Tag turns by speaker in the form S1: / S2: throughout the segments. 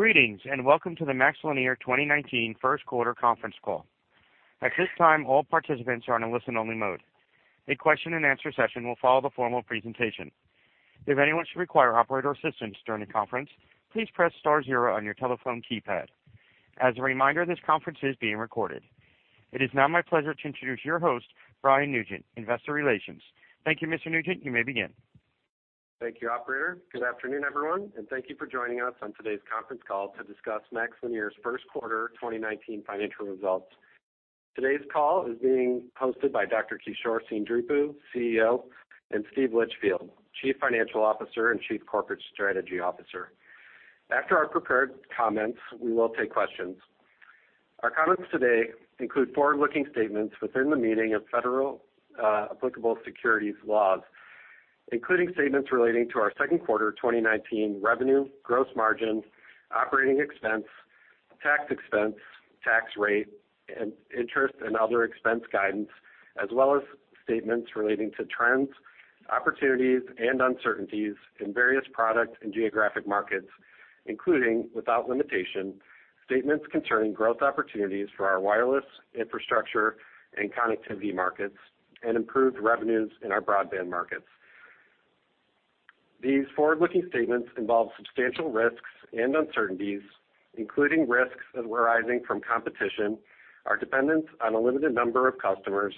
S1: Greetings, welcome to the MaxLinear 2019 first quarter conference call. At this time, all participants are in a listen-only mode. A question-and-answer session will follow the formal presentation. If anyone should require operator assistance during the conference, please press star zero on your telephone keypad. As a reminder, this conference is being recorded. It is now my pleasure to introduce your host, Brian Nugent, Head of Investor Relations. Thank you, Mr. Nugent. You may begin.
S2: Thank you, operator. Good afternoon, everyone, thank you for joining us on today's conference call to discuss MaxLinear's first quarter 2019 financial results. Today's call is being hosted by Dr. Kishore Seendripu, CEO, and Steve Litchfield, Chief Financial Officer and Chief Corporate Strategy Officer. After our prepared comments, we will take questions. Our comments today include forward-looking statements within the meaning of federal applicable securities laws, including statements relating to our second quarter 2019 revenue, gross margin, operating expense, tax expense, tax rate, and interest and other expense guidance, as well as statements relating to trends, opportunities, and uncertainties in various product and geographic markets, including, without limitation, statements concerning growth opportunities for our wireless infrastructure and connectivity markets and improved revenues in our broadband markets. These forward-looking statements involve substantial risks and uncertainties, including risks arising from competition, our dependence on a limited number of customers,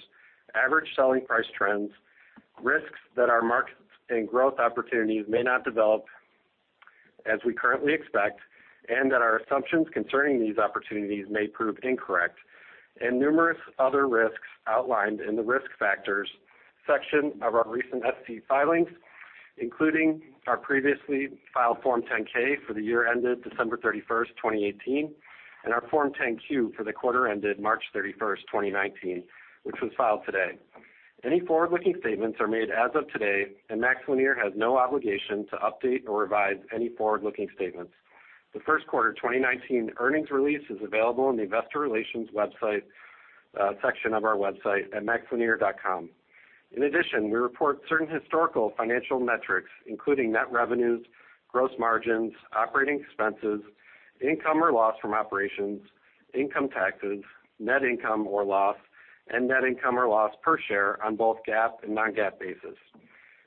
S2: average selling price trends, risks that our markets and growth opportunities may not develop as we currently expect, that our assumptions concerning these opportunities may prove incorrect, numerous other risks outlined in the risk factors section of our recent SEC filings, including our previously filed Form 10-K for the year ended December 31st, 2018, and our Form 10-Q for the quarter ended March 31st, 2019, which was filed today. Any forward-looking statements are made as of today, MaxLinear has no obligation to update or revise any forward-looking statements. The first quarter 2019 earnings release is available in the investor relations section of our website at maxlinear.com. In addition, we report certain historical financial metrics, including net revenues, gross margins, operating expenses, income or loss from operations, income taxes, net income or loss, and net income or loss per share on both GAAP and non-GAAP basis.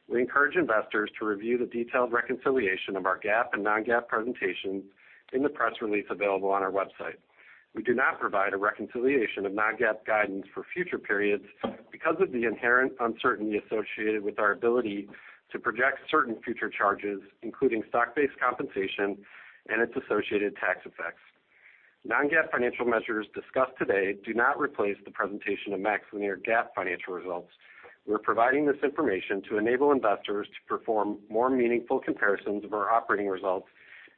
S2: We encourage investors to review the detailed reconciliation of our GAAP and non-GAAP presentations in the press release available on our website. We do not provide a reconciliation of non-GAAP guidance for future periods because of the inherent uncertainty associated with our ability to project certain future charges, including stock-based compensation and its associated tax effects. Non-GAAP financial measures discussed today do not replace the presentation of MaxLinear GAAP financial results. We're providing this information to enable investors to perform more meaningful comparisons of our operating results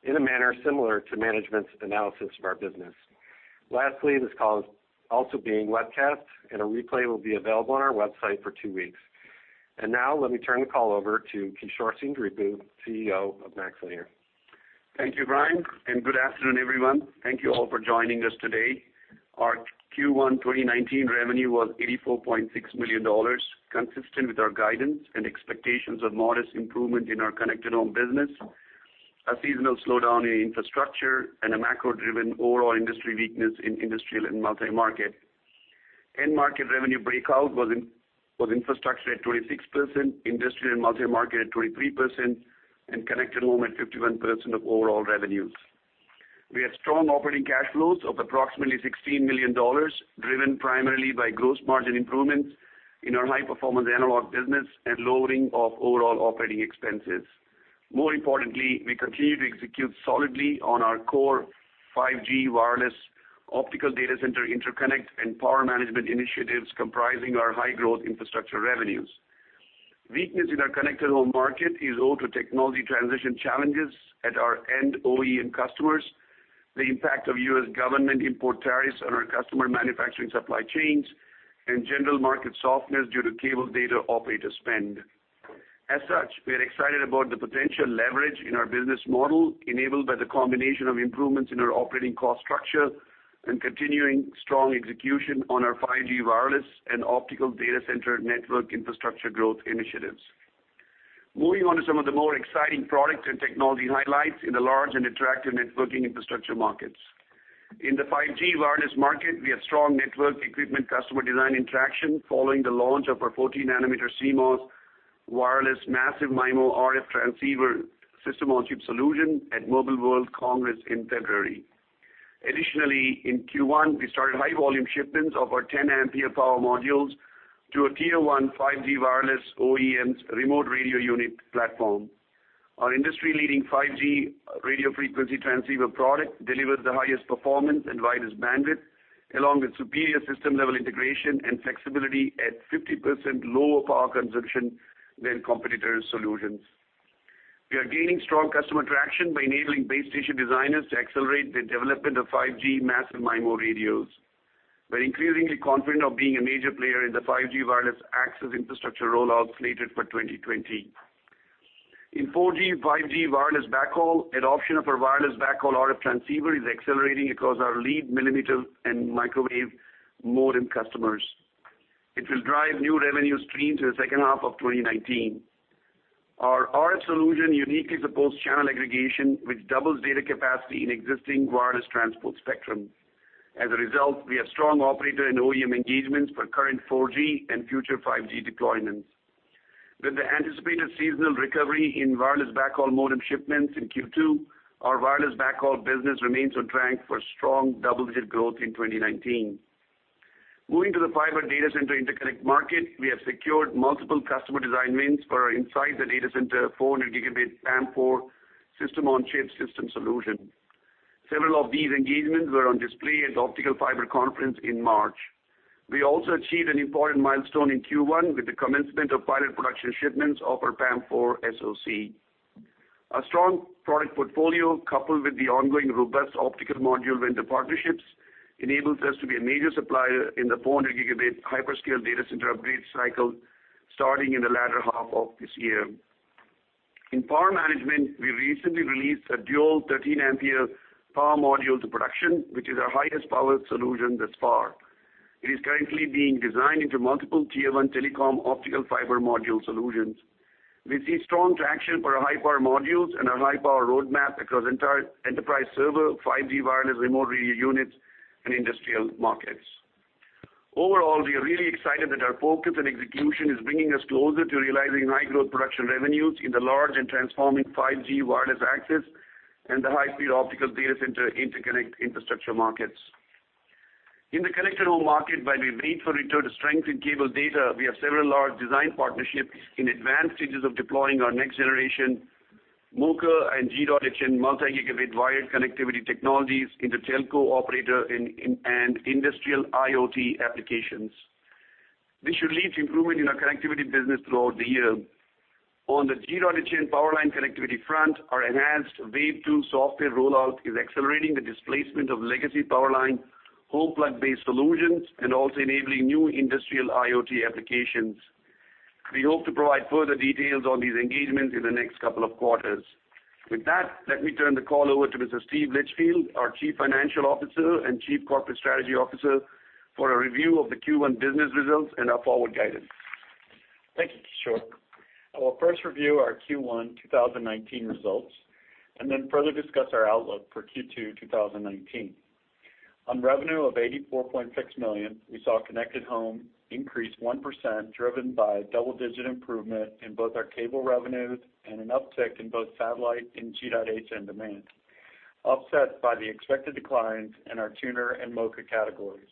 S2: in a manner similar to management's analysis of our business. Lastly, this call is also being webcast, and a replay will be available on our website for two weeks. Now, let me turn the call over to Kishore Seendripu, Chief Executive Officer of MaxLinear.
S3: Thank you, Brian. Good afternoon, everyone. Thank you all for joining us today. Our Q1 2019 revenue was $84.6 million, consistent with our guidance and expectations of modest improvement in our Connected Home business, a seasonal slowdown in infrastructure, and a macro-driven overall industry weakness in industrial and multi-market. End market revenue breakout was infrastructure at 26%, industrial and multi-market at 23%, and Connected Home at 51% of overall revenues. We had strong operating cash flows of approximately $16 million, driven primarily by gross margin improvements in our high-performance analog business and lowering of overall operating expenses. More importantly, we continue to execute solidly on our core 5G wireless optical data center interconnect and power management initiatives comprising our high-growth infrastructure revenues. Weakness in our Connected Home market is owed to technology transition challenges at our end OEM customers, the impact of U.S. government import tariffs on our customer manufacturing supply chains, and general market softness due to cable data operator spend. We are excited about the potential leverage in our business model enabled by the combination of improvements in our operating cost structure and continuing strong execution on our 5G wireless and optical data center network infrastructure growth initiatives. Moving on to some of the more exciting product and technology highlights in the large and attractive networking infrastructure markets. In the 5G wireless market, we have strong network equipment customer design interaction following the launch of our 40-nanometer CMOS wireless massive MIMO RF transceiver system on chip solution at Mobile World Congress in February. In Q1, we started high volume shipments of our 10 ampere power modules to a tier 1 5G wireless OEM's remote radio unit platform. Our industry-leading 5G radio frequency transceiver product delivers the highest performance and widest bandwidth, along with superior system-level integration and flexibility at 50% lower power consumption than competitor solutions. We are gaining strong customer traction by enabling base station designers to accelerate the development of 5G massive MIMO radios. We're increasingly confident of being a major player in the 5G wireless access infrastructure rollouts slated for 2020. 4G, 5G wireless backhaul, adoption of our wireless backhaul RF transceiver is accelerating across our lead millimeter and microwave modem customers. It will drive new revenue streams in the second half of 2019. Our RF solution uniquely supports channel aggregation, which doubles data capacity in existing wireless transport spectrum. As a result, we have strong operator and OEM engagements for current 4G and future 5G deployments. With the anticipated seasonal recovery in wireless backhaul modem shipments in Q2, our wireless backhaul business remains on track for strong double-digit growth in 2019. Moving to the fiber data center interconnect market, we have secured multiple customer design wins for our inside the data center 400 Gb PAM4 system on chip system solution. Several of these engagements were on display at the Optical Fiber Communication Conference in March. We also achieved an important milestone in Q1 with the commencement of pilot production shipments of our PAM4 SoC. A strong product portfolio, coupled with the ongoing robust optical module vendor partnerships, enables us to be a major supplier in the 400 Gb hyperscale data center upgrade cycle, starting in the latter half of this year. In power management, we recently released a dual 13 ampere power module to production, which is our highest power solution thus far. It is currently being designed into multiple tier 1 telecom optical fiber module solutions. We see strong traction for our high-power modules and our high-power roadmap across entire enterprise server, 5G wireless remote radio units, and industrial markets. Overall, we are really excited that our focus and execution is bringing us closer to realizing high-growth production revenues in the large and transforming 5G wireless access and the high-speed optical data center interconnect infrastructure markets. In the Connected Home market, while we wait for return to strength in cable data, we have several large design partnerships in advanced stages of deploying our next generation MoCA and G.hn multi-gigabit wired connectivity technologies into telco operator and industrial IoT applications. This should lead to improvement in our connectivity business throughout the year. On the G.hn power line connectivity front, our enhanced Wave 2 software rollout is accelerating the displacement of legacy power line HomePlug-based solutions and also enabling new industrial IoT applications. We hope to provide further details on these engagements in the next couple of quarters. With that, let me turn the call over to Mr. Steve Litchfield, our Chief Financial Officer and Chief Corporate Strategy Officer, for a review of the Q1 business results and our forward guidance.
S4: Thank you, Kishore. I will first review our Q1 2019 results and then further discuss our outlook for Q2 2019. On revenue of $84.6 million, we saw Connected Home increase 1%, driven by double-digit improvement in both our cable revenues and an uptick in both satellite and G.hn demand, offset by the expected declines in our tuner and MoCA categories.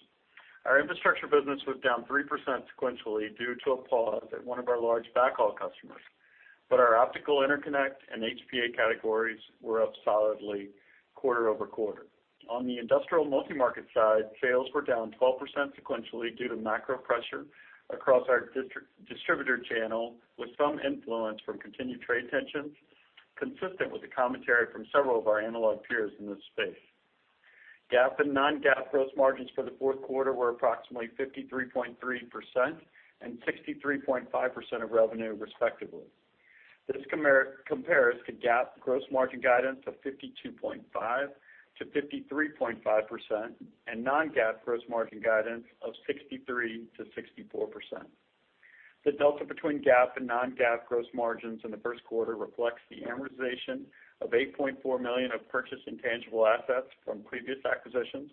S4: Our infrastructure business was down 3% sequentially due to a pause at one of our large backhaul customers, but our optical interconnect and HPA categories were up solidly quarter-over-quarter. On the industrial multi-market side, sales were down 12% sequentially due to macro pressure across our distributor channel with some influence from continued trade tensions, consistent with the commentary from several of our analog peers in this space. GAAP and non-GAAP gross margins for the fourth quarter were approximately 53.3% and 63.5% of revenue, respectively. This compares to GAAP gross margin guidance of 52.5%-53.5% and non-GAAP gross margin guidance of 63%-64%. The delta between GAAP and non-GAAP gross margins in the first quarter reflects the amortization of $8.4 million of purchased intangible assets from previous acquisitions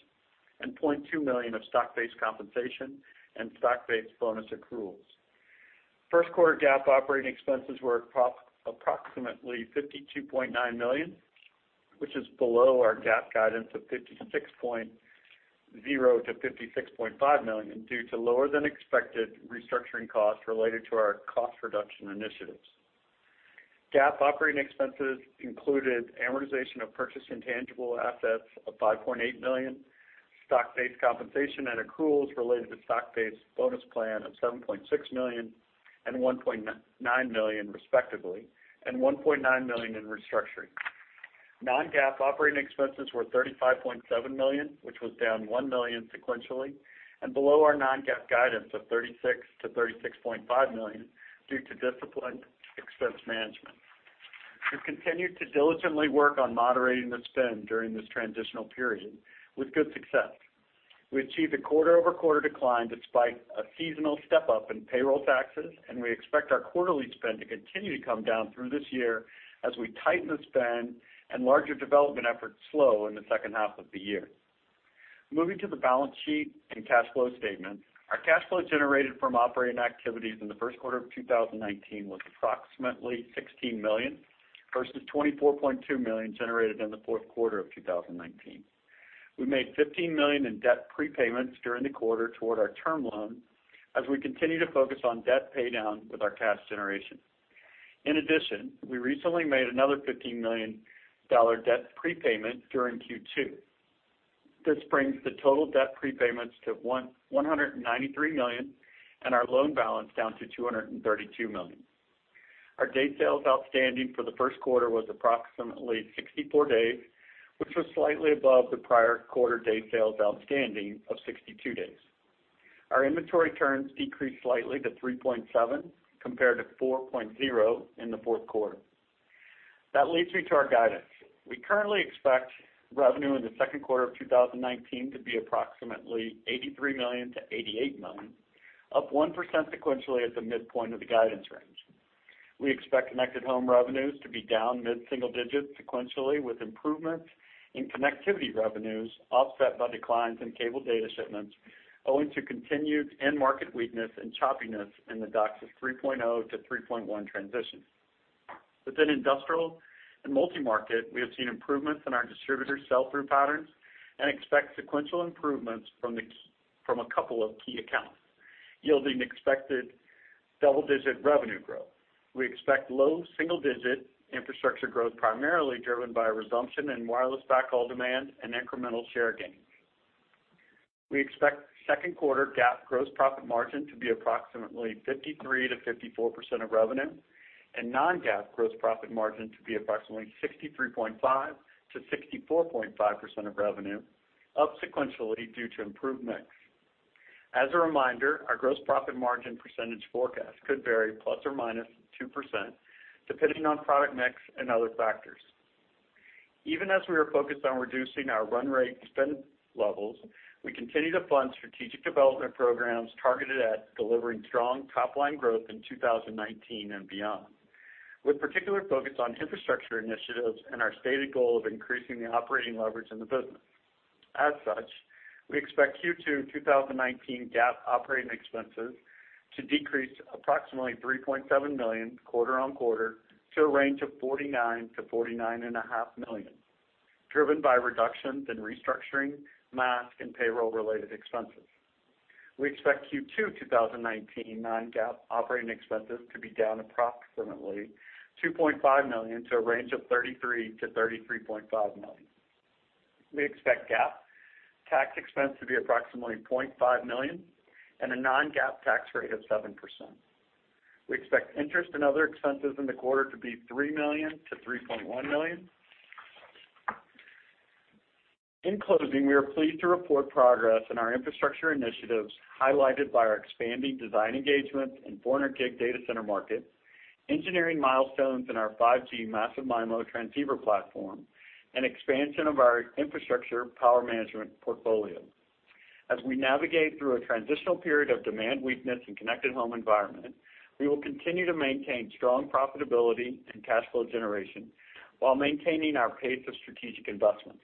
S4: and $0.2 million of stock-based compensation and stock-based bonus accruals. First quarter GAAP operating expenses were approximately $52.9 million, which is below our GAAP guidance of $56.0 million-$56.5 million due to lower than expected restructuring costs related to our cost reduction initiatives. GAAP operating expenses included amortization of purchased intangible assets of $5.8 million, stock-based compensation and accruals related to stock-based bonus plan of $7.6 million and $1.9 million, respectively, and $1.9 million in restructuring. Non-GAAP operating expenses were $35.7 million, which was down $1 million sequentially and below our non-GAAP guidance of $36 million-$36.5 million due to disciplined expense management. We've continued to diligently work on moderating the spend during this transitional period with good success. We achieved a quarter-over-quarter decline despite a seasonal step-up in payroll taxes, and we expect our quarterly spend to continue to come down through this year as we tighten the spend and larger development efforts slow in the second half of the year. Moving to the balance sheet and cash flow statement. Our cash flow generated from operating activities in the first quarter of 2019 was approximately $16 million versus $24.2 million generated in the fourth quarter of 2019. We made $15 million in debt prepayments during the quarter toward our term loan as we continue to focus on debt paydown with our cash generation. In addition, we recently made another $15 million debt prepayment during Q2. This brings the total debt prepayments to $193 million and our loan balance down to $232 million. Our day sales outstanding for the first quarter was approximately 64 days, which was slightly above the prior quarter day sales outstanding of 62 days. Our inventory turns decreased slightly to 3.7, compared to 4.0 in the fourth quarter. That leads me to our guidance. We currently expect revenue in the second quarter of 2019 to be approximately $83 million-$88 million, up 1% sequentially at the midpoint of the guidance range. We expect Connected Home revenues to be down mid-single digits sequentially, with improvements in connectivity revenues offset by declines in cable data shipments owing to continued end market weakness and choppiness in the DOCSIS 3.0 to 3.1 transition. Within Industrial and Multi-Market, we have seen improvements in our distributor sell-through patterns and expect sequential improvements from a couple of key accounts, yielding expected double-digit revenue growth. We expect low double-digit infrastructure growth, primarily driven by a resumption in wireless backhaul demand and incremental share gains. We expect second quarter GAAP gross profit margin to be approximately 53%-54% of revenue, and non-GAAP gross profit margin to be approximately 63.5%-64.5% of revenue, up sequentially due to improved mix. As a reminder, our gross profit margin percentage forecast could vary ±2%, depending on product mix and other factors. Even as we are focused on reducing our run rate spend levels, we continue to fund strategic development programs targeted at delivering strong top-line growth in 2019 and beyond, with particular focus on infrastructure initiatives and our stated goal of increasing the operating leverage in the business. As such, we expect Q2 2019 GAAP operating expenses to decrease approximately $3.7 million quarter-on-quarter to a range of $49 million-$49.5 million, driven by reductions in restructuring, mask, and payroll-related expenses. We expect Q2 2019 non-GAAP operating expenses to be down approximately $2.5 million to a range of $33 million-$33.5 million. We expect GAAP tax expense to be approximately $0.5 million and a non-GAAP tax rate of 7%. We expect interest and other expenses in the quarter to be $3 million-$3.1 million. In closing, we are pleased to report progress in our infrastructure initiatives, highlighted by our expanding design engagements in 400G data center markets, engineering milestones in our 5G massive MIMO transceiver platform, and expansion of our infrastructure power management portfolio. As we navigate through a transitional period of demand weakness in Connected Home environment, we will continue to maintain strong profitability and cash flow generation while maintaining our pace of strategic investments.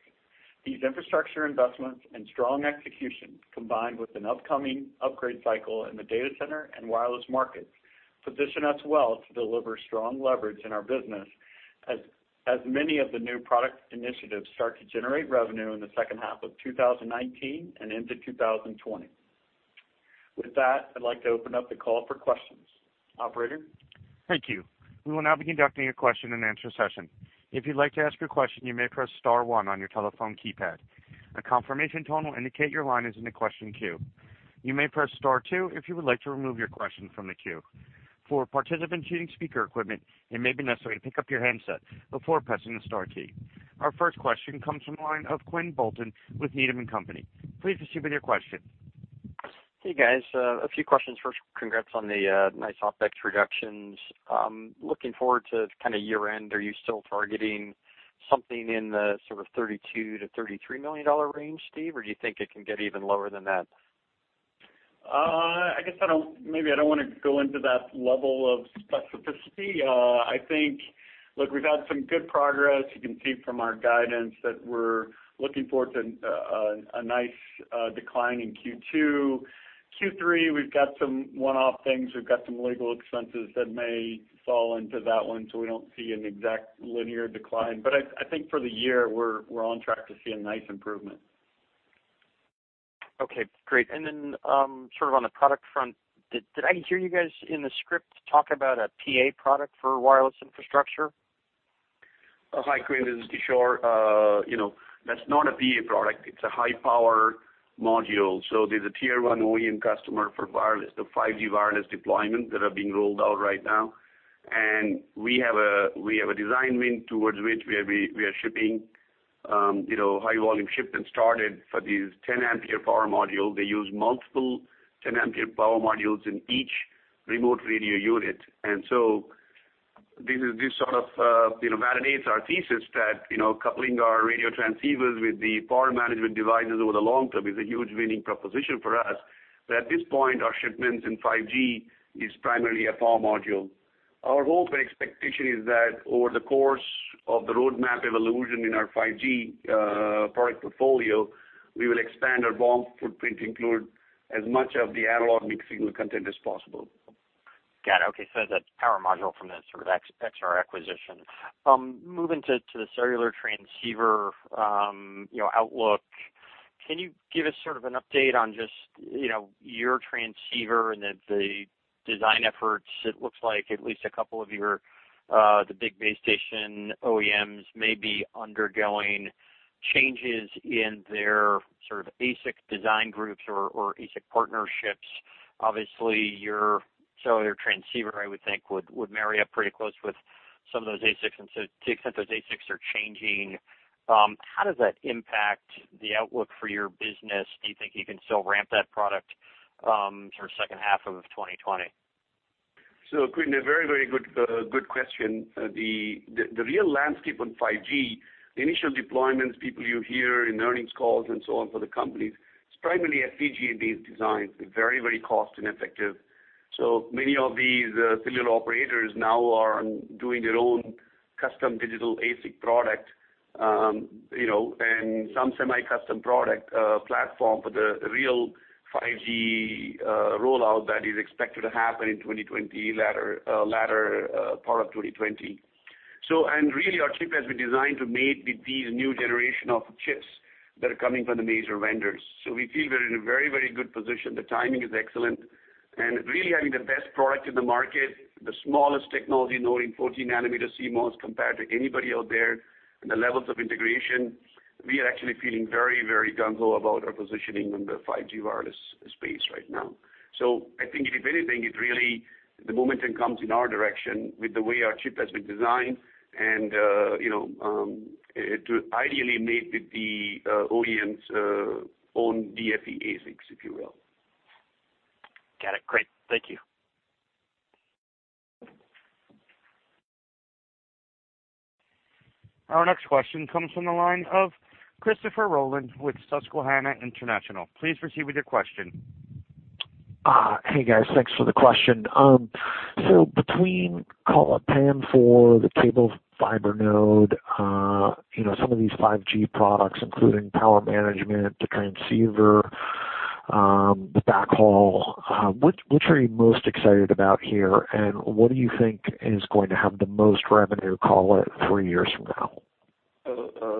S4: These infrastructure investments and strong execution, combined with an upcoming upgrade cycle in the data center and wireless markets, position us well to deliver strong leverage in our business as many of the new product initiatives start to generate revenue in the second half of 2019 and into 2020. With that, I'd like to open up the call for questions. Operator?
S1: Thank you. We will now be conducting a question and answer session. If you'd like to ask your question, you may press star one on your telephone keypad. A confirmation tone will indicate your line is in the question queue. You may press star two if you would like to remove your question from the queue. For participants using speaker equipment, it may be necessary to pick up your handset before pressing the star key. Our first question comes from the line of Quinn Bolton with Needham & Company. Please proceed with your question.
S5: Hey, guys. A few questions. First, congrats on the nice OpEx reductions. Looking forward to year-end, are you still targeting something in the sort of $32 million-$33 million range, Steve? Or do you think it can get even lower than that?
S4: I guess maybe I don't want to go into that level of specificity. I think, look, we've had some good progress. You can see from our guidance that we're looking forward to a nice decline in Q2. Q3, we've got some one-off things. We've got some legal expenses that may fall into that one, so we don't see an exact linear decline. I think for the year, we're on track to see a nice improvement.
S5: Okay, great. Sort of on the product front, did I hear you guys in the script talk about a PA product for wireless infrastructure?
S3: Hi, Quinn, this is Kishore. That's not a PA product. It's a high-power module. There's a tier 1 OEM customer for wireless, the 5G wireless deployment that are being rolled out right now. We have a design win towards which we are shipping. High volume shipment started for these 10 ampere power modules. They use multiple 10 ampere power modules in each remote radio unit. This sort of validates our thesis that coupling our radio transceivers with the power management devices over the long term is a huge winning proposition for us, that at this point, our shipments in 5G is primarily a power module. Our hope and expectation is that over the course of the roadmap evolution in our 5G product portfolio, we will expand our BOM footprint to include as much of the analog mixed signal content as possible.
S5: Got it. Okay, so that's power module from the sort of Exar acquisition. Moving to the cellular transceiver outlook, can you give us sort of an update on just your transceiver and the design efforts? It looks like at least a couple of your, the big base station OEMs may be undergoing changes in their sort of ASIC design groups or ASIC partnerships. Obviously, your cellular transceiver, I would think, would marry up pretty close with some of those ASICs. To the extent those ASICs are changing. How does that impact the outlook for your business? Do you think you can still ramp that product for second half of 2020?
S3: Quinn, a very good question. The real landscape on 5G, the initial deployments, people you hear in earnings calls and so on for the companies, it's primarily FPGA-based designs. They're very cost ineffective. Many of these cellular operators now are doing their own custom digital ASIC product, and some semi-custom product platform for the real 5G rollout that is expected to happen in 2020, latter part of 2020. And really our chip has been designed to meet these new generation of chips that are coming from the major vendors. We feel we're in a very good position. The timing is excellent, and really having the best product in the market, the smallest technology node in 14 nanometer CMOS compared to anybody out there, and the levels of integration, we are actually feeling very gung ho about our positioning in the 5G wireless space right now. I think if anything, it really, the momentum comes in our direction with the way our chip has been designed and, to ideally mate with the OEM's own DFE ASICs, if you will.
S5: Got it. Great. Thank you.
S1: Our next question comes from the line of Christopher Rolland with Susquehanna International. Please proceed with your question.
S6: Hey, guys. Thanks for the question. Between call it PAM4, the cable fiber node, some of these 5G products, including power management, the transceiver, the backhaul, which are you most excited about here, and what do you think is going to have the most revenue, call it, three years from now?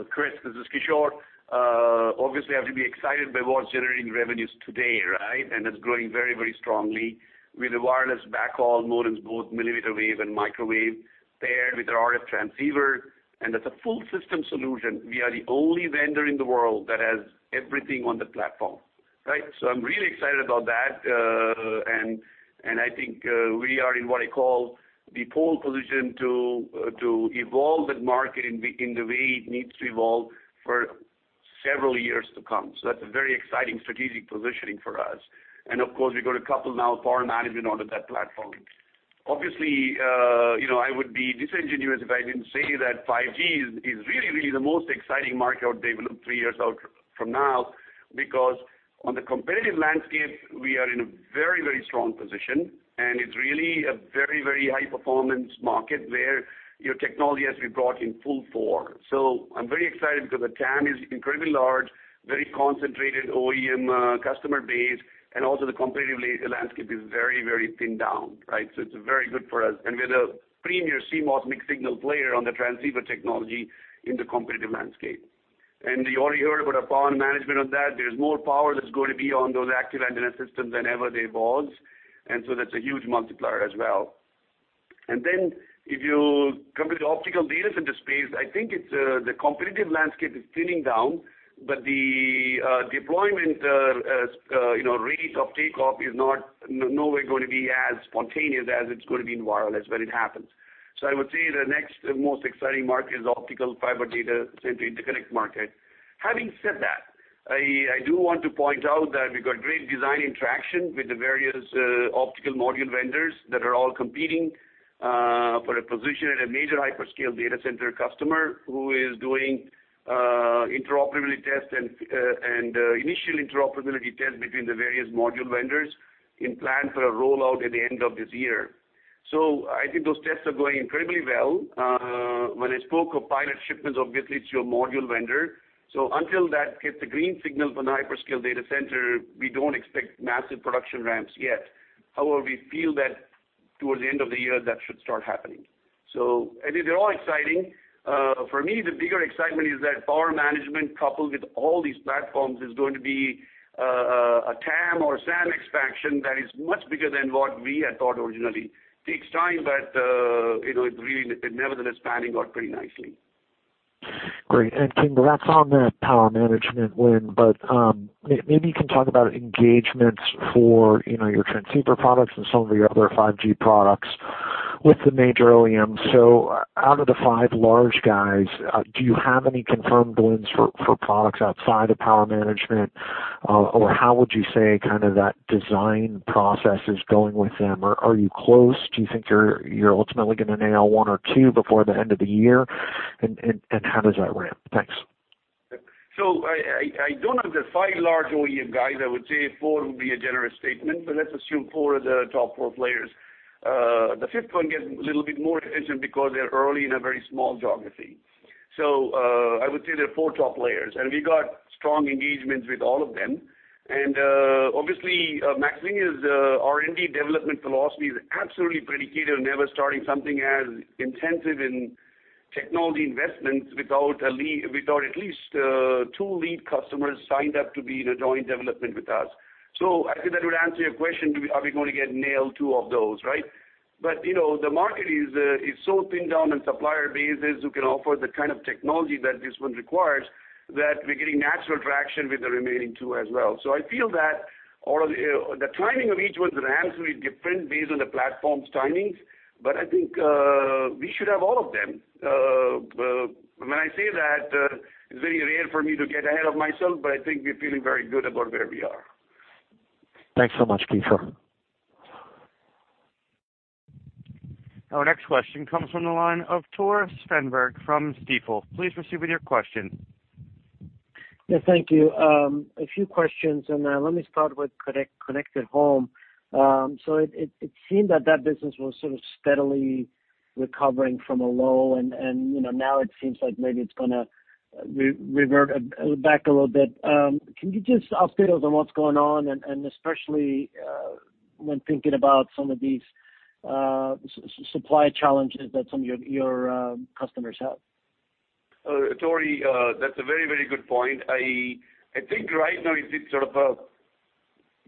S3: Chris, this is Kishore. Obviously, I have to be excited by what's generating revenues today, right? It's growing very strongly with the wireless backhaul nodes, both millimeter wave and microwave, paired with our RF transceiver. That's a full system solution. We are the only vendor in the world that has everything on the platform, right? I'm really excited about that, and I think we are in what I call the pole position to evolve that market in the way it needs to evolve for several years to come. That's a very exciting strategic positioning for us. Of course, we've got to couple now power management onto that platform. Obviously, I would be disingenuous if I didn't say that 5G is really the most exciting market out there, we look three years out from now, because on the competitive landscape, we are in a very strong position, and it's really a very high performance market where your technology has to be brought in full force. I'm very excited because the TAM is incredibly large, very concentrated OEM customer base, and also the competitive landscape is very thinned down, right? It's very good for us. We are the premier CMOS mixed signal player on the transceiver technology in the competitive landscape. You already heard about our power management on that. There's more power that's going to be on those active antenna systems than ever they evolved, that's a huge multiplier as well. If you come to the optical data center space, I think the competitive landscape is thinning down, but the deployment rate of takeoff is nowhere going to be as spontaneous as it's going to be in wireless when it happens. I would say the next most exciting market is optical fiber data center interconnect market. Having said that, I do want to point out that we got great design interaction with the various optical module vendors that are all competing for a position at a major hyperscale data center customer who is doing interoperability test and initial interoperability test between the various module vendors in plan for a rollout at the end of this year. I think those tests are going incredibly well. When I spoke of pilot shipments, obviously it's your module vendor. Until that gets a green signal from the hyperscale data center, we don't expect massive production ramps yet. However, we feel that towards the end of the year, that should start happening. I think they're all exciting. For me, the bigger excitement is that power management coupled with all these platforms is going to be a TAM or SAM expansion that is much bigger than what we had thought originally. Takes time, but it nevertheless panning out pretty nicely.
S6: Great. That's on the power management win, but maybe you can talk about engagements for your transceiver products and some of your other 5G products with the major OEMs. Out of the five large guys, do you have any confirmed wins for products outside of power management? Or how would you say kind of that design process is going with them? Are you close? Do you think you're ultimately going to nail one or two before the end of the year? And how does that ramp? Thanks.
S3: I don't have the five large OEM guys. I would say four would be a generous statement, but let's assume four of the top four players. The fifth one gets a little bit more attention because they're early in a very small geography. I would say there are four top players, and we got strong engagements with all of them. And obviously, MaxLinear's R&D development philosophy is absolutely predicated on never starting something as intensive in technology investments without at least two lead customers signed up to be in a joint development with us. I think that would answer your question, are we going to get nailed two of those, right? But the market is so thinned down in supplier bases who can offer the kind of technology that this one requires. That we're getting natural traction with the remaining two as well. I feel that the timing of each one is absolutely different based on the platform's timings, but I think we should have all of them. When I say that, it's very rare for me to get ahead of myself, but I think we're feeling very good about where we are.
S6: Thanks so much, Kishore.
S1: Our next question comes from the line of Tore Svanberg from Stifel. Please proceed with your question.
S7: Yeah, thank you. Let me start with Connected Home. It seemed that business was sort of steadily recovering from a low, and now it seems like maybe it's going to revert back a little bit. Can you just update us on what's going on and especially when thinking about some of these supply challenges that some of your customers have?
S3: Tore, that's a very good point. I think right now is sort of a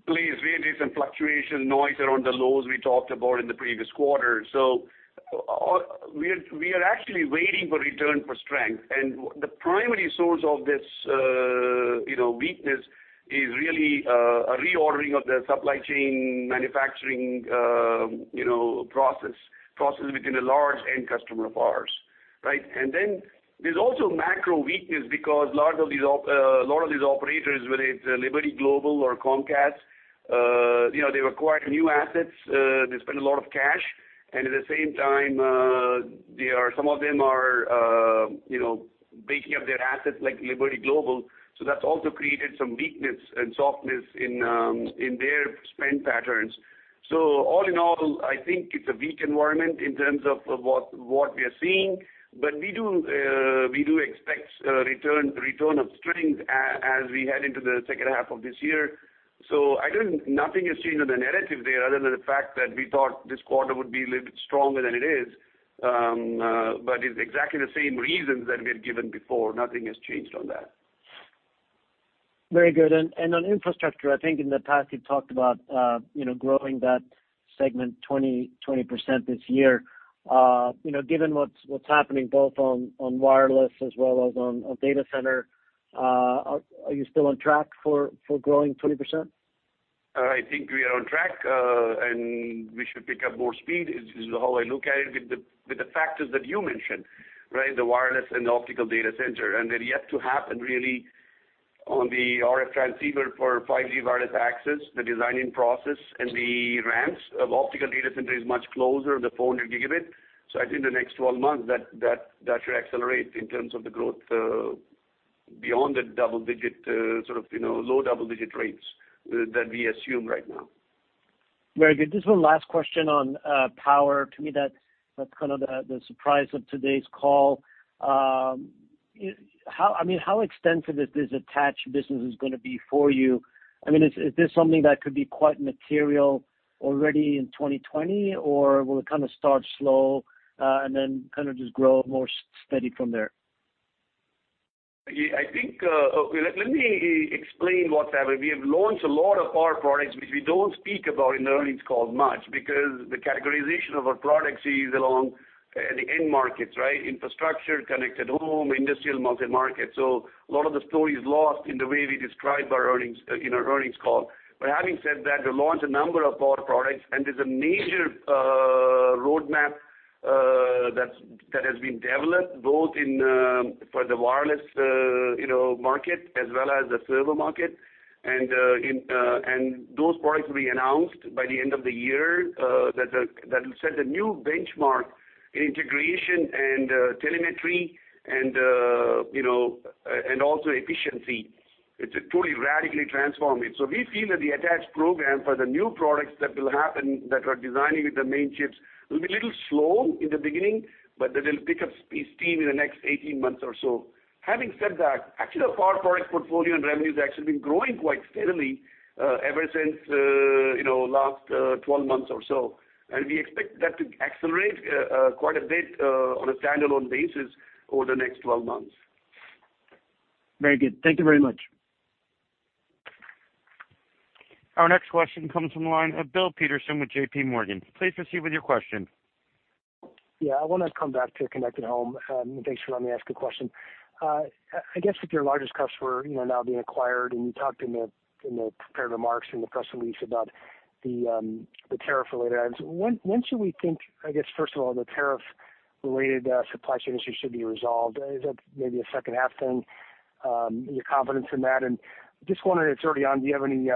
S3: place where there's some fluctuation noise around the lows we talked about in the previous quarter. We are actually waiting for return for strength. The primary source of this weakness is really a reordering of the supply chain manufacturing process within a large end customer of ours. Right? There's also macro weakness because a lot of these operators, whether it's Liberty Global or Comcast, they've acquired new assets, they spent a lot of cash, and at the same time some of them are baking up their assets like Liberty Global. That's also created some weakness and softness in their spend patterns. All in all, I think it's a weak environment in terms of what we are seeing. We do expect return of strength as we head into the second half of this year. Nothing has changed in the narrative there other than the fact that we thought this quarter would be a little bit stronger than it is. It's exactly the same reasons that we've given before. Nothing has changed on that.
S7: Very good. On infrastructure, I think in the past you talked about growing that segment 20% this year. Given what's happening both on wireless as well as on data center, are you still on track for growing 20%?
S3: I think we are on track, we should pick up more speed, is how I look at it with the factors that you mentioned, right? The wireless and the optical data center. They're yet to happen really on the RF transceiver for 5G wireless access, the designing process and the ramps of optical data center is much closer, the 400 Gb. I think in the next 12 months, that should accelerate in terms of the growth beyond the double-digit, sort of low double-digit rates that we assume right now.
S7: Very good. Just one last question on power. To me, that's kind of the surprise of today's call. How extensive is this attached businesses going to be for you? I mean, is this something that could be quite material already in 2020, or will it kind of start slow and then kind of just grow more steady from there?
S3: Let me explain what's happening. We have launched a lot of power products, which we don't speak about in the earnings call as much, because the categorization of our products is along the end markets, right? Infrastructure, Connected Home, industrial, multi-market. A lot of the story is lost in the way we describe our earnings in our earnings call. Having said that, we launched a number of power products, and there's a major roadmap that has been developed both for the wireless market as well as the server market. Those products will be announced by the end of the year. That will set a new benchmark in integration and telemetry and also efficiency. It's totally radically transforming. We feel that the attached program for the new products that will happen, that are designing with the main chips, will be a little slow in the beginning, but that they'll pick up speed, steam in the next 18 months or so. Having said that, actually our power products portfolio and revenue has actually been growing quite steadily ever since last 12 months or so. We expect that to accelerate quite a bit on a standalone basis over the next 12 months.
S7: Very good. Thank you very much.
S1: Our next question comes from the line of Bill Peterson with JPMorgan. Please proceed with your question.
S8: Yeah. I want to come back to Connected Home. Thanks for letting me ask a question. I guess with your largest customer now being acquired, and you talked in the prepared remarks in the press release about the tariff related items. When should we think, I guess first of all, the tariff related supply chain issues should be resolved? Is that maybe a second half thing? Your confidence in that, and just wondering, it's early on, do you have any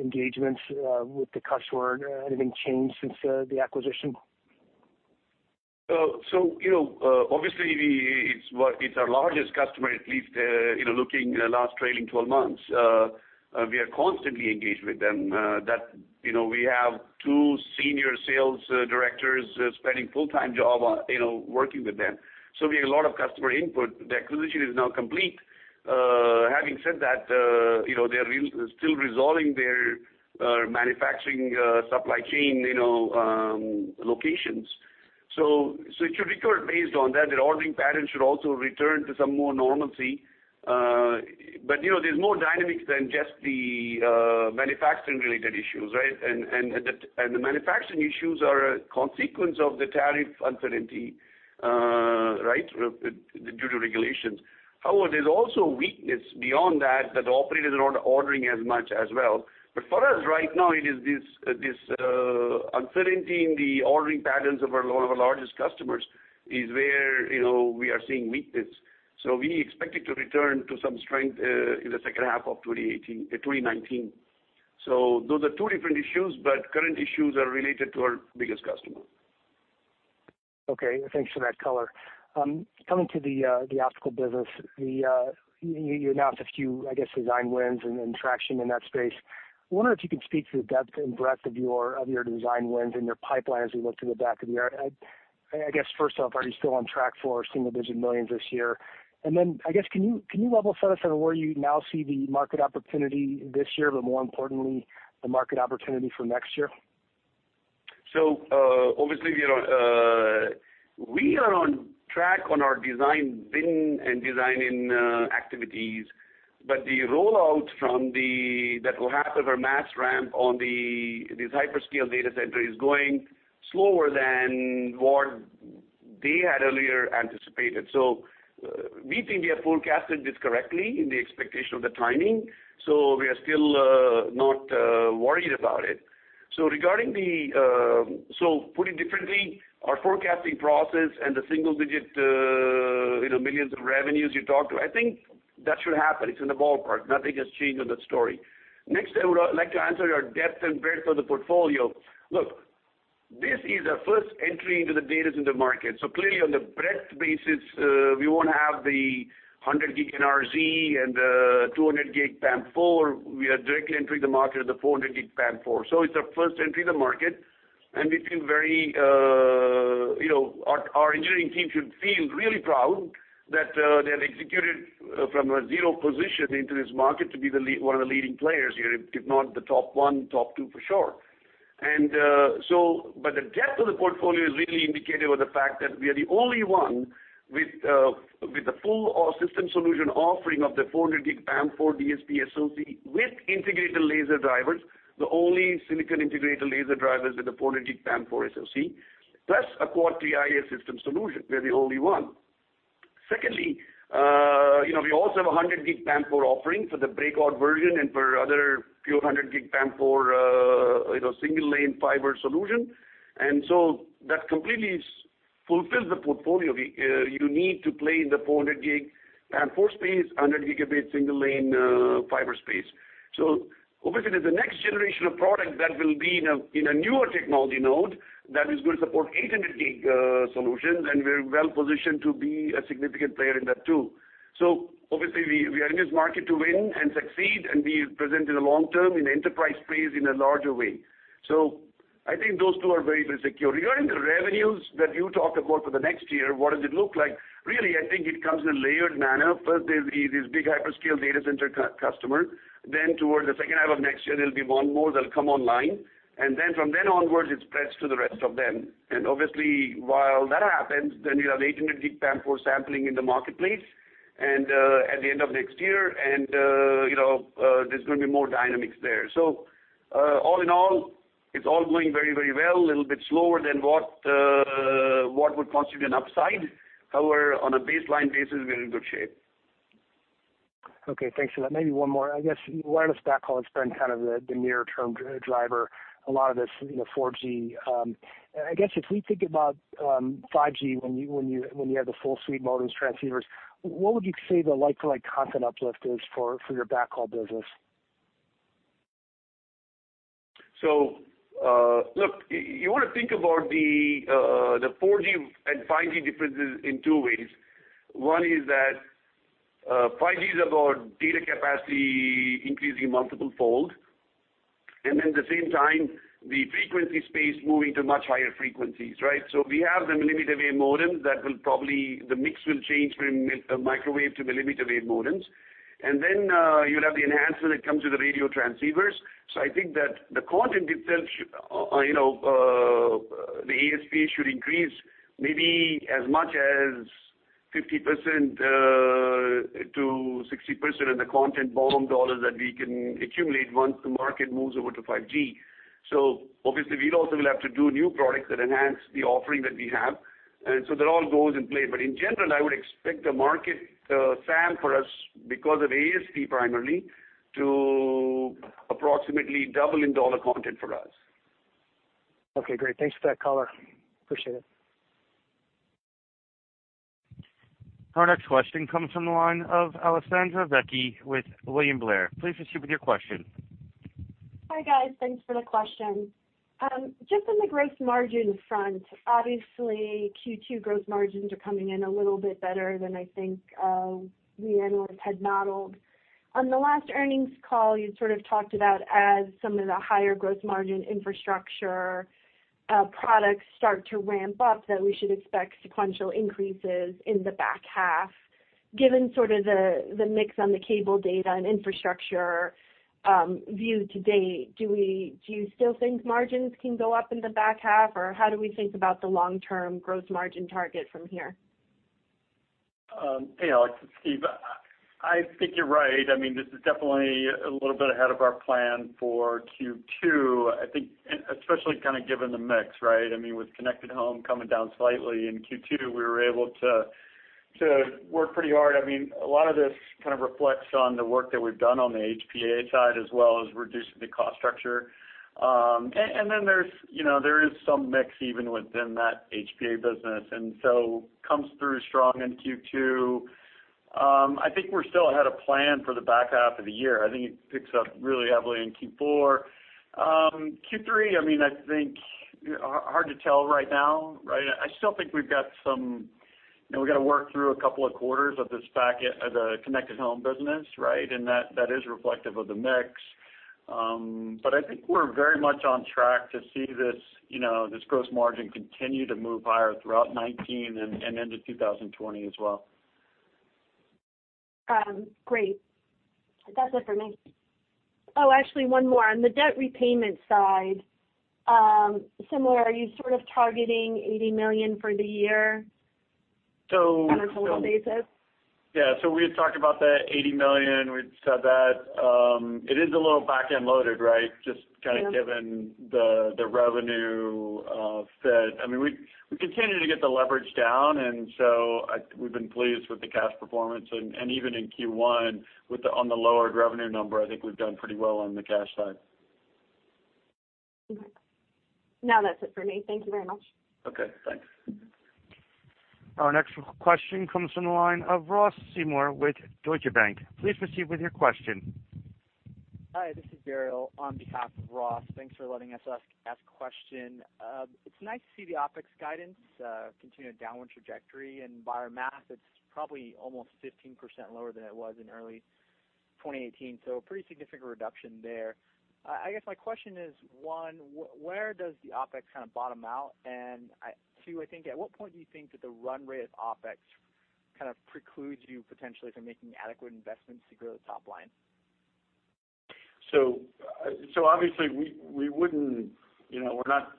S8: engagements with the customer? Anything changed since the acquisition?
S3: Obviously it's our largest customer, at least looking last trailing 12 months. We are constantly engaged with them. We have two senior sales directors spending full-time job working with them. We get a lot of customer input. The acquisition is now complete. Having said that, they're still resolving their manufacturing supply chain locations. It should recover based on that. The ordering patterns should also return to some more normalcy. There's more dynamics than just the manufacturing related issues, right? The manufacturing issues are a consequence of the tariff uncertainty, right, due to regulations. However, there's also weakness beyond that operators are not ordering as much as well. For us right now, it is this uncertainty in the ordering patterns of our largest customers is where we are seeing weakness. We expect it to return to some strength in the second half of 2019. Those are two different issues, current issues are related to our biggest customer.
S8: Okay, thanks for that color. Coming to the optical business, you announced a few, I guess, design wins and traction in that space. I wonder if you could speak to the depth and breadth of your design wins and your pipeline as we look to the back of the year. I guess first off, are you still on track for single-digit millions this year? Then, I guess, can you level set us on where you now see the market opportunity this year, but more importantly, the market opportunity for next year?
S3: Obviously, we are on track on our design win and designing activities, but the rollout that will happen with our mass ramp on these hyperscale data center is going slower than what they had earlier anticipated. We think we have forecasted this correctly in the expectation of the timing. We are still not worried about it. Put it differently, our forecasting process and the single-digit millions of revenues you talked to, I think that should happen. It's in the ballpark. Nothing has changed on that story. I would like to answer your depth and breadth of the portfolio. This is our first entry into the data center market. Clearly, on the breadth basis, we won't have the 100G NRZ and the 200G PAM4. We are directly entering the market at the 400G PAM4. It's our first entry in the market, and our engineering team should feel really proud that they have executed from a zero position into this market to be one of the leading players here, if not the top one, top two for sure. The depth of the portfolio is really indicated with the fact that we are the only one with the full system solution offering of the 400G PAM4 DSP SoC with integrated laser drivers, the only silicon integrated laser drivers with the 400G PAM4 SoC, plus a quad TIA system solution. We're the only one. We also have a 100G PAM4 offering for the breakout version and for other pure 100G PAM4 single lane fiber solution. That completely fulfills the portfolio you need to play in the 400G PAM4 space, 100 Gb single lane fiber space. Obviously, there's a next generation of product that will be in a newer technology node that is going to support 800G solutions, and we're well positioned to be a significant player in that too. Obviously, we are in this market to win and succeed and be present in the long term in the enterprise space in a larger way. I think those two are very well secure. Regarding the revenues that you talked about for the next year, what does it look like? I think it comes in a layered manner. There's these big hyperscale data center customers. Towards the second half of next year, there'll be one more that'll come online. From then onwards, it spreads to the rest of them. Obviously, while that happens, then you'll have 800G PAM4 sampling in the marketplace and at the end of next year, and there's going to be more dynamics there. All in all, it's all going very well, a little bit slower than what would constitute an upside. On a baseline basis, we're in good shape.
S8: Okay, thanks for that. Maybe one more. I guess wireless backhaul has been kind of the near-term driver, a lot of this 4G. I guess if we think about 5G when you have the full suite of modems, transceivers, what would you say the like-to-like content uplift is for your backhaul business?
S3: Look, you want to think about the 4G and 5G differences in two ways. One is that 5G is about data capacity increasing multiple-fold, at the same time, the frequency space moving to much higher frequencies, right? We have the millimeter wave modem that will probably the mix will change from microwave to millimeter wave modems. You'll have the enhancement that comes with the radio transceivers. I think that the content itself, the ASP should increase maybe as much as 50%-60% in the content BOM dollars that we can accumulate once the market moves over to 5G. Obviously, we also will have to do new products that enhance the offering that we have. That all goes in play. In general, I would expect the market, the SAM for us, because of ASP primarily, to approximately double in dollar content for us.
S8: Okay, great. Thanks for that color. Appreciate it.
S1: Our next question comes from the line of Alessandra Vecchi with William Blair. Please proceed with your question.
S9: Hi, guys. Thanks for the question. Just on the gross margin front, obviously Q2 gross margins are coming in a little bit better than I think we analysts had modeled. On the last earnings call, you sort of talked about as some of the higher gross margin infrastructure products start to ramp up, that we should expect sequential increases in the back half. Given sort of the mix on the cable data and infrastructure view today, do you still think margins can go up in the back half? Or how do we think about the long-term gross margin target from here?
S4: Hey, Alex, it's Steve. I think you're right. This is definitely a little bit ahead of our plan for Q2, I think, especially given the mix, right? With Connected Home coming down slightly in Q2, we were able to work pretty hard. A lot of this reflects on the work that we've done on the HPA side, as well as reducing the cost structure. There is some mix even within that HPA business, so comes through strong in Q2. I think we're still ahead of plan for the back half of the year. I think it picks up really heavily in Q4. Q3, I think, hard to tell right now. I still think we've got to work through a couple of quarters of the Connected Home business. That is reflective of the mix. I think we're very much on track to see this gross margin continue to move higher throughout 2019 and into 2020 as well.
S9: Actually one more. On the debt repayment side, similar, are you targeting $80 million for the year-
S4: So-
S9: on a total basis?
S4: Yeah. We had talked about that $80 million. We said that. It is a little back-end loaded. Just given the revenue fed. We continue to get the leverage down, we've been pleased with the cash performance. Even in Q1, on the lowered revenue number, I think we've done pretty well on the cash side.
S9: Okay. No, that's it for me. Thank you very much.
S4: Okay, thanks.
S1: Our next question comes from the line of Ross Seymore with Deutsche Bank. Please proceed with your question.
S10: Hi, this is Daryl on behalf of Ross. Thanks for letting us ask question. It's nice to see the OpEx guidance continue a downward trajectory. By our math, it's probably almost 15% lower than it was in early 2018, a pretty significant reduction there. I guess my question is, one, where does the OpEx bottom out? Two, I think, at what point do you think that the run rate of OpEx precludes you potentially from making adequate investments to grow the top line?
S4: Obviously, we're not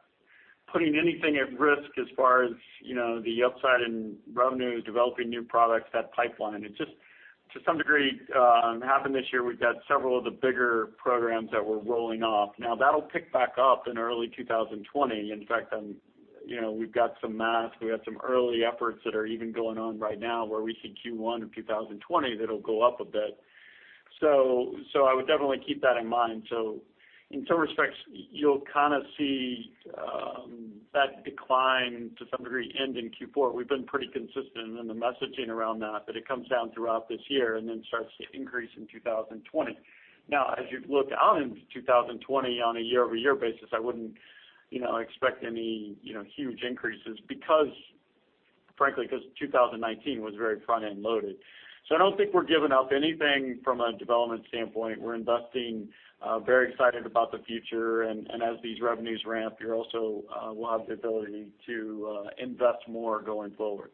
S4: putting anything at risk as far as the upside in revenue, developing new products, that pipeline. It just, to some degree, happened this year. We've got several of the bigger programs that we're rolling off. That'll pick back up in early 2020. In fact, we've got some math. We have some early efforts that are even going on right now where we see Q1 of 2020 that'll go up a bit. I would definitely keep that in mind. In some respects, you'll see that decline to some degree end in Q4. We've been pretty consistent in the messaging around that it comes down throughout this year and then starts to increase in 2020. As you look out into 2020 on a year-over-year basis, I wouldn't expect any huge increases, frankly, because 2019 was very front-end loaded. I don't think we're giving up anything from a development standpoint. We're investing, very excited about the future. As these revenues ramp, we'll have the ability to invest more going forward.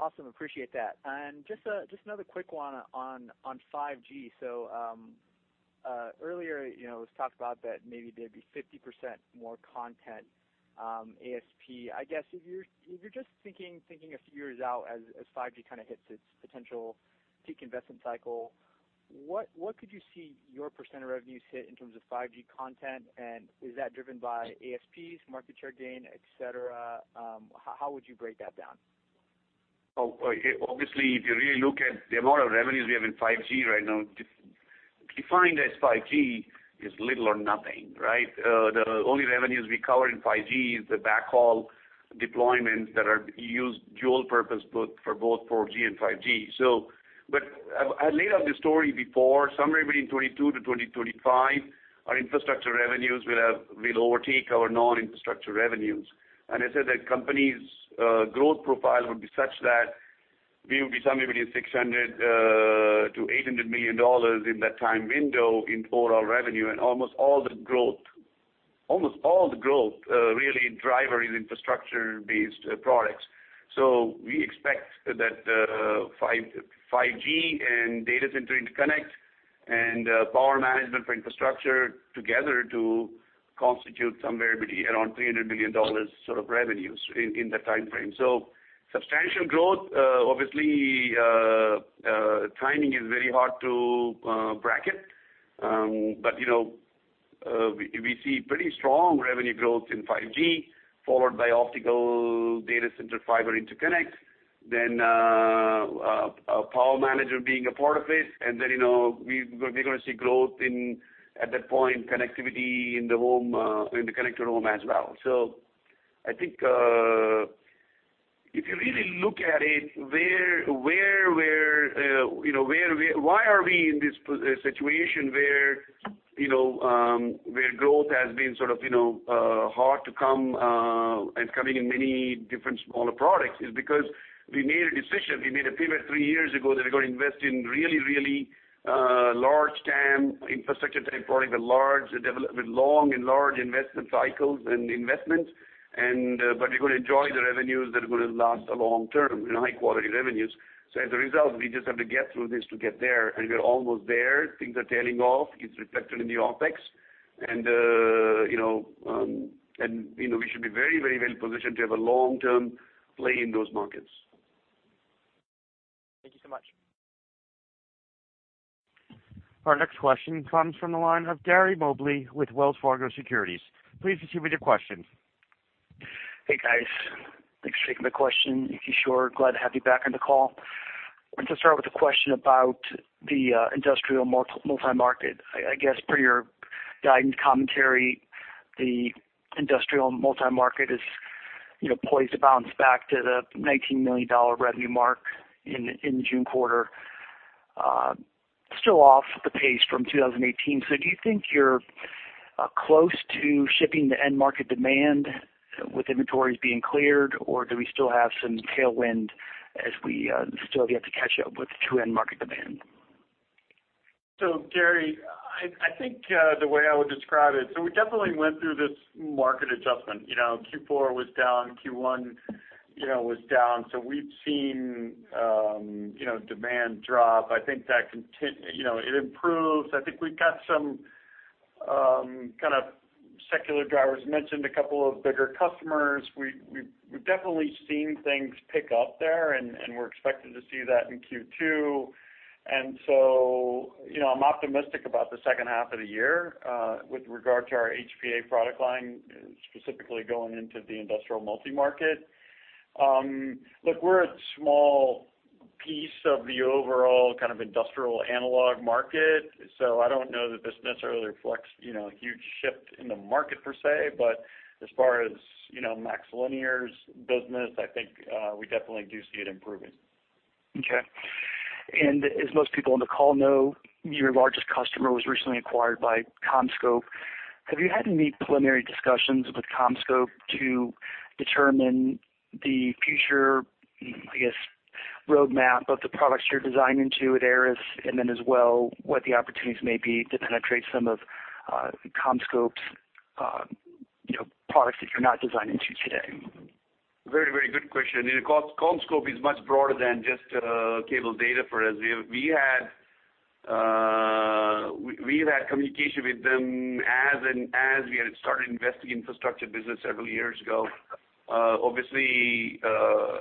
S10: Awesome. Appreciate that. Just another quick one on 5G. Earlier, it was talked about that maybe there'd be 50% more content ASP. I guess if you're just thinking a few years out as 5G hits its potential peak investment cycle, what could you see your % of revenues hit in terms of 5G content? Is that driven by ASPs, market share gain, et cetera? How would you break that down?
S3: Obviously, if you really look at the amount of revenues we have in 5G right now, defined as 5G, is little or nothing. The only revenues we cover in 5G is the backhaul deployments that use dual purpose, both for both 4G and 5G. I laid out this story before, somewhere between 2022 to 2025, our infrastructure revenues will overtake our non-infrastructure revenues. I said that company's growth profile would be such that we would be somewhere between $600 million-$800 million in that time window in overall revenue, and almost all the growth, really, driver is infrastructure-based products. We expect that 5G and data center interconnect and power management for infrastructure together to constitute somewhere between around $300 million sort of revenues in that timeframe. Substantial growth. Obviously, timing is very hard to bracket. We see pretty strong revenue growth in 5G, followed by optical data center fiber interconnect, then our power manager being a part of it, and then we're going to see growth in, at that point, connectivity in the Connected Home as well. I think, if you really look at it, why are we in this situation where growth has been hard to come and coming in many different smaller products is because we made a decision, we made a pivot three years ago that we're going to invest in really, really large TAM infrastructure-type products with long and large investment cycles and investments. We're going to enjoy the revenues that are going to last a long term and high-quality revenues. As a result, we just have to get through this to get there, and we're almost there. Things are tailing off. It's reflected in the OpEx. We should be very well positioned to have a long-term play in those markets.
S10: Thank you so much.
S1: Our next question comes from the line of Gary Mobley with Wells Fargo Securities. Please proceed with your question.
S11: Hey, guys. Thanks for taking the question. Kishore, glad to have you back on the call. I want to start with a question about the industrial multi-market. I guess per your guidance commentary, the industrial multi-market is poised to bounce back to the $19 million revenue mark in the June quarter. Still off the pace from 2018. Do you think you're close to shipping the end market demand with inventories being cleared, or do we still have some tailwind as we still have yet to catch up with the true end market demand?
S4: Gary, I think the way I would describe it, we definitely went through this market adjustment. Q4 was down, Q1 was down. We've seen demand drop. I think that it improves. I think we've got some kind of secular drivers, mentioned a couple of bigger customers. We've definitely seen things pick up there, and we're expecting to see that in Q2. I'm optimistic about the second half of the year with regard to our HPA product line, specifically going into the industrial multi-market. Look, we're a small piece of the overall kind of industrial analog market, so I don't know that this necessarily reflects a huge shift in the market per se, but as far as MaxLinear's business, I think we definitely do see it improving.
S11: Okay. As most people on the call know, your largest customer was recently acquired by CommScope. Have you had any preliminary discussions with CommScope to determine the future, I guess, roadmap of the products you're designing to at Arris, and then as well, what the opportunities may be to penetrate some of CommScope's products that you're not designing to today?
S3: Very good question. CommScope is much broader than just cable data for us. We've had communication with them as we had started investing in infrastructure business several years ago. Obviously,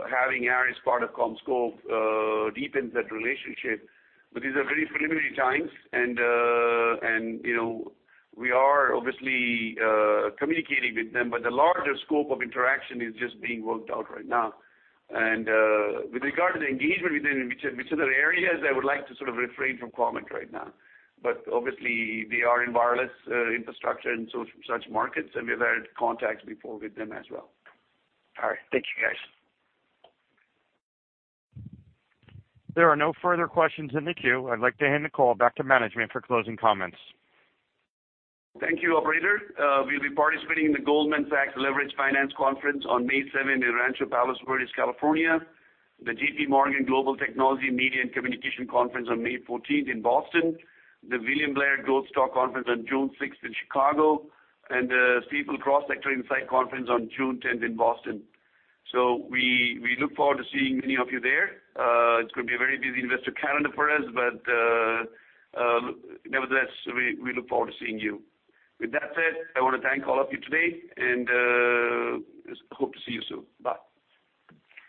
S3: having Arris part of CommScope deepens that relationship. These are very preliminary times and we are obviously communicating with them, but the larger scope of interaction is just being worked out right now. With regard to the engagement within each of the areas, I would like to sort of refrain from comment right now. Obviously they are in wireless infrastructure and such markets, and we've had contacts before with them as well.
S11: All right. Thank you, guys.
S1: There are no further questions in the queue. I'd like to hand the call back to management for closing comments.
S3: Thank you, operator. We'll be participating in the Goldman Sachs Leveraged Finance Conference on May 7th in Rancho Palos Verdes, California, the JPMorgan Global Technology, Media and Communications Conference on May 14th in Boston, the William Blair Growth Stock Conference on June 6th in Chicago, and the Stifel Cross Sector Insight Conference on June 10th in Boston. We look forward to seeing many of you there. It's going to be a very busy investor calendar for us, but nevertheless, we look forward to seeing you. With that said, I want to thank all of you today and hope to see you soon. Bye.